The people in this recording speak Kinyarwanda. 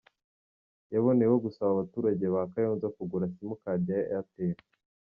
Yaboneyeho gusaba abaturage ba Kayonza kugura Simukadi ya Airtel.